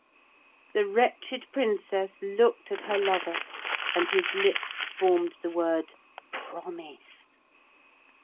The wretched Princess looked at her lover, and his lips formed the word 'Promise.'